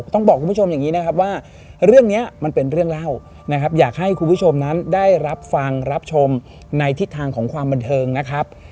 ต้องบอกคุณผู้ชมอย่างนี้นะครับว่าเรื่องนี้มันเป็นเรื่องเล่านะครับอยากให้คุณผู้ชมนั้นได้รับฟังรับชมในทิศทางของความบันเทิงนะครับ